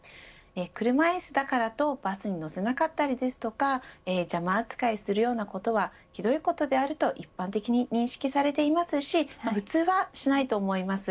車いすだからとバスに乗せなかったりですとか邪魔扱いするようなことはひどいことであると一般的に認識されていますし普通はしないと思います。